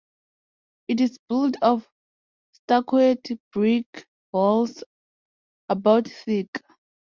It is built of stuccoed brick walls about thick.